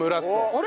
あれ？